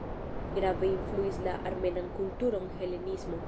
Grave influis la armenan kulturon helenismo.